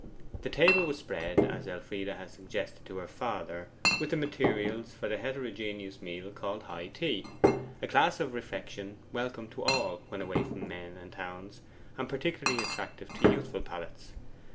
The table was spread, as Elfride had suggested to her father, with the materials for the heterogeneous meal called high tea a class of refection welcome to all when away from men and towns, and particularly attractive to youthful palates.